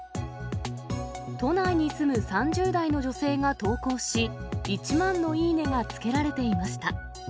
都内に住む３０代の女性が投稿し、１万のいいね！がつけられていました。